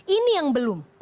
ini yang belum